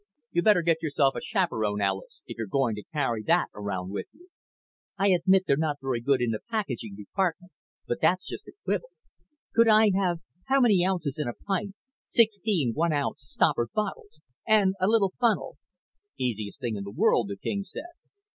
"You'd better get yourself a chaperone, Alis, if you're going to carry that around with you." "I'll admit they're not very good in the packaging department, but that's just a quibble. Could I have how many ounces in a pint? sixteen one ounce stoppered bottles? And a little funnel?" "Easiest thing in the world," the king said.